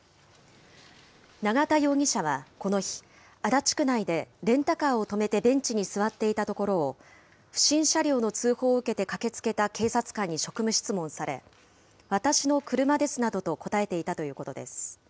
永田容疑者はこの日、足立区内でレンタカーを止めてベンチに座っていたところを、不審車両の通報を受けて駆けつけた警察官に職務質問され、私の車ですなどと答えていたということです。